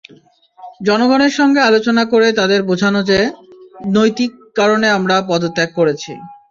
জনগণের সঙ্গে আলোচনা করে তাদের বোঝানো যে, নৈতিক কারণে আমরা পদত্যাগ করেছি।